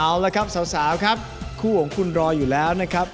เอาละครับสาวครับคู่ของคุณรออยู่แล้วนะครับ